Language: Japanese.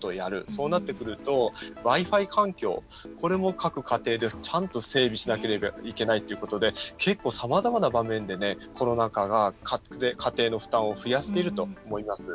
そうなってくるとＷｉ‐Ｆｉ環境、これも各家庭でちゃんと整備しなければいけないということで結構、さまざまな場面でコロナ禍が家庭の負担を増やしていると思います。